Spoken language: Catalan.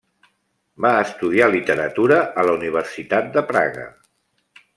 Va estudiar Literatura a la Universitat de Praga.